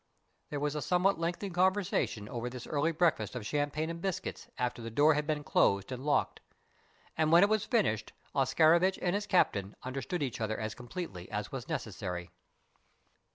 There was a somewhat lengthy conversation over this early breakfast of champagne and biscuits after the door had been closed and locked, and when it was finished, Oscarovitch and his captain understood each other as completely as was necessary.